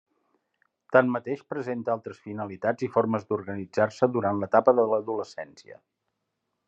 Tanmateix, presenta altres finalitats i formes d'organitzar-se durant l'etapa de l'adolescència.